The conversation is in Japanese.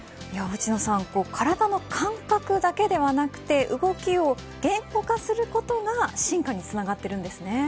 内野さん体の感覚だけではなくて動きを言語化することが進化につながってるんですね。